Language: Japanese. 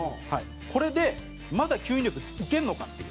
これで、まだ吸引力いけるのかっていう。